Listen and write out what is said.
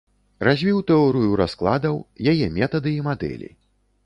Развіў тэорыю раскладаў, яе метады і мадэлі.